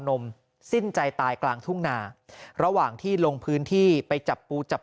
นมสิ้นใจตายกลางทุ่งนาระหว่างที่ลงพื้นที่ไปจับปูจับ